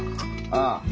ああ。